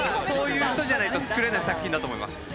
そういう人じゃないと作れない作品だと思います。